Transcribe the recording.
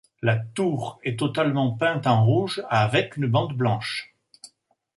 La tour est totalement peinte en rouge avec une bande blanche.